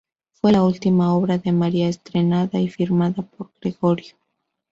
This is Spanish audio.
Fue la última obra de María estrenada y firmada por Gregorio.